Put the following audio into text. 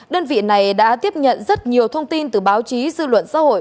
đơn vị này đã tiếp nhận rất nhiều thông tin từ báo chí dư luận xã hội